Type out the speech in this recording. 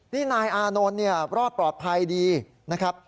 นี่นายอานนท์เนี่ยรอดปลอดภัยดีนะครับ